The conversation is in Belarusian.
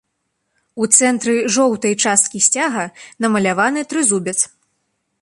У цэнтры жоўтай часткі сцяга намаляваны трызубец.